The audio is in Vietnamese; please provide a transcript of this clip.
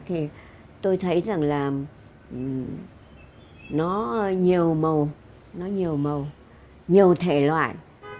thì tôi thấy rằng là nó nhiều màu nhiều thể loại